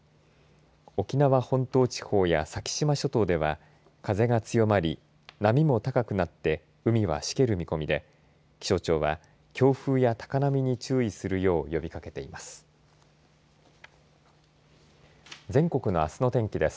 沖縄本島地方や先島諸島では風が強まり波も高くなって海はしける見込みで気象庁は、強風や高波に注意するよう呼びかけています。